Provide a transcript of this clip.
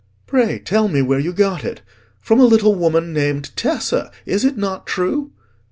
"Pray tell me where you got it;—from a little woman named Tessa, is it not true?"